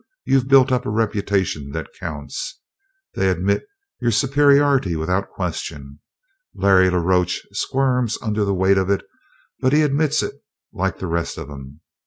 You've built up a reputation that counts. They admit your superiority without question. Larry la Roche squirms under the weight of it, but he admits it like the rest of' em.